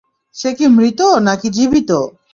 সে কি মৃত নাকি জীবিত?